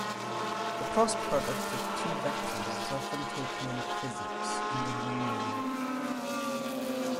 The cross product of two vectors is often taken in physics and engineering.